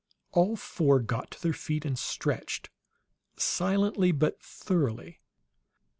All four got to their feet and stretched, silently but thoroughly.